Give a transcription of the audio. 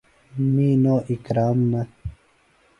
می نو اکرم نہ۔